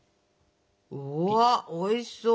うわおいしそう。